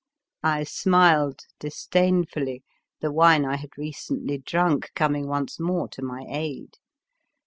I smiled disdainfully, the wine I had recently drunk coming once more to my aid.